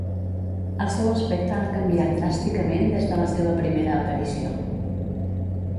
El seu aspecte ha canviat dràsticament des de la seva primera aparició.